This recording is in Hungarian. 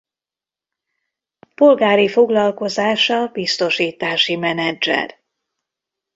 Polgári foglalkozása biztosítási menedzser.